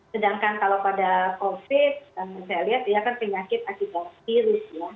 sedangkan kalau pada covid saya lihat dia kan penyakit akibat virus ya